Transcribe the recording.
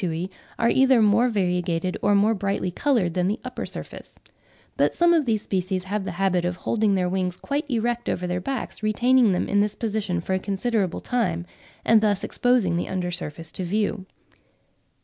and quadrifid Noctuae are either more variegated or more brightly coloured than the upper surface; but some of these species have the habit of "holding their wings quite erect over their backs, retaining them in this position for a considerable time," and thus exposing the under surface to view.